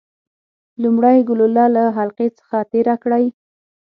لومړی ګلوله له حلقې څخه تیره کړئ.